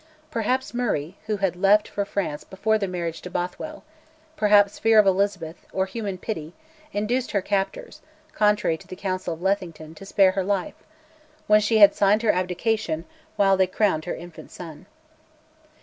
Perhaps Murray (who had left for France before the marriage to Bothwell), perhaps fear of Elizabeth, or human pity, induced her captors, contrary to the counsel of Lethington, to spare her life, when she had signed her abdication, while they crowned her infant son.